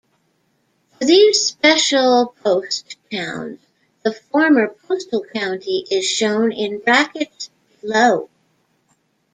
For these "special post towns", the former postal county is shown in brackets below.